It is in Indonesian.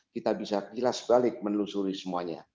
kita bisa kilas balik menelusuri semuanya